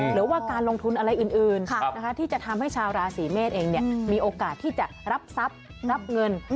หรือว่าการลงทุนอะไรอื่นที่จะทำให้ชาวราศีเมษเองมีโอกาสที่จะรับทรัพย์รับเงิน